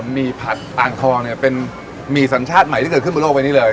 หี่ผัดอ่างทองเนี่ยเป็นหมี่สัญชาติใหม่ที่เกิดขึ้นบนโลกใบนี้เลย